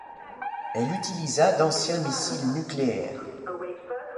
Elle utilisa d'anciens missiles nucléaires.